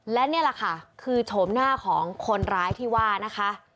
และนี่แหละค่ะคือโฉมหน้าของคนร้ายที่ว่านะคะ